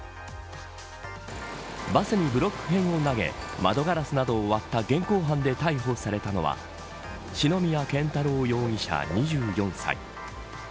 バスにブロック片を投げ窓ガラスなどを割った現行犯で逮捕されたのは四宮健太郎容疑者、２４歳。